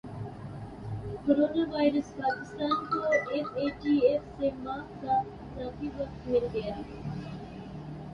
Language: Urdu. کورونا وائرس پاکستان کو ایف اے ٹی ایف سے ماہ کا اضافی وقت مل گیا